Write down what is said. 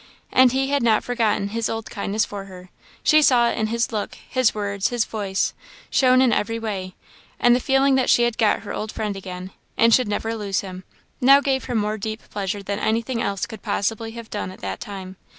And he had not forgotten his old kindness for her; she saw it in his look, his words, his voice, shown in every way; and the feeling that she had got her old friend again, and should never lose him, now gave her more deep pleasure than anything else could possibly have done at that time.